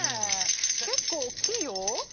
結構大きいよ石。